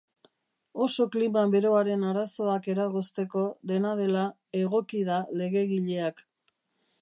Oso klima beroaren arazoak eragozteko, dena dela, egoki da legegileak.